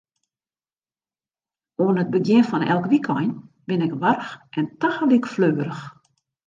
Oan it begjin fan elk wykein bin ik warch en tagelyk fleurich.